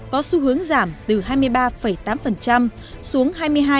có xu hướng giảm từ hai mươi ba tám xuống hai mươi hai